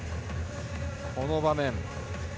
この場面。